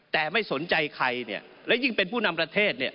แต่ไม่สนใจใครเนี่ยและยิ่งเป็นผู้นำประเทศเนี่ย